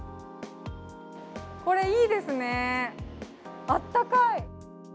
これいいですね、あったかい。